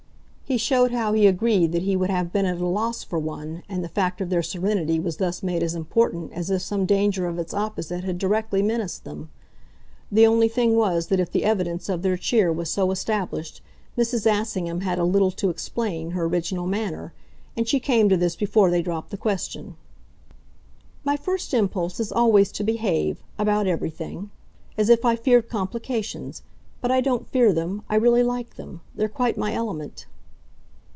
He showed how he agreed that he would have been at a loss for one, and the fact of their serenity was thus made as important as if some danger of its opposite had directly menaced them. The only thing was that if the evidence of their cheer was so established Mrs. Assingham had a little to explain her original manner, and she came to this before they dropped the question. "My first impulse is always to behave, about everything, as if I feared complications. But I don't fear them I really like them. They're quite my element."